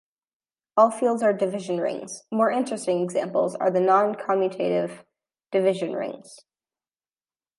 All fields are division rings; more interesting examples are the non-commutative division rings.